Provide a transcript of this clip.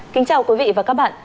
kính chào quý vị và các bạn